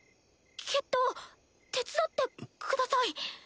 決闘手伝ってください。